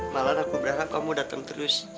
malam aku berasa kamu dateng terus